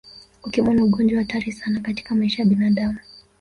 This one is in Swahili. Ukimwi ni ugonjwa hatari sana katika maisha ya binadamu